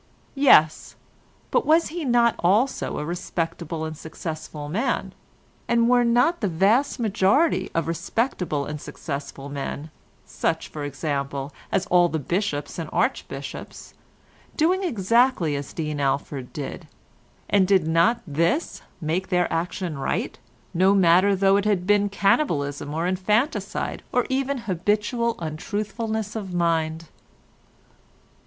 Yes, but was he not also a respectable and successful man, and were not the vast majority of respectable and successful men, such for example, as all the bishops and archbishops, doing exactly as Dean Alford did, and did not this make their action right, no matter though it had been cannibalism or infanticide, or even habitual untruthfulness of mind?